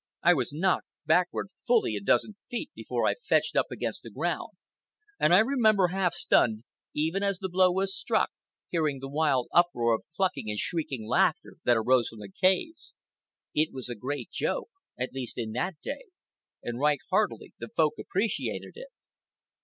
I was knocked backward fully a dozen feet before I fetched up against the ground, and I remember, half stunned, even as the blow was struck, hearing the wild uproar of clucking and shrieking laughter that arose from the caves. It was a great joke—at least in that day; and right heartily the Folk appreciated it.